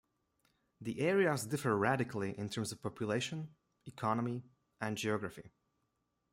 The areas differ radically in terms of population, economy and geography.